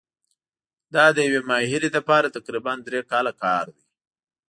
دا د یوې ماهرې لپاره تقریباً درې کاله کار دی.